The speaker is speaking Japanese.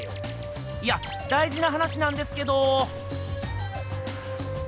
いやだいじな話なんですけど！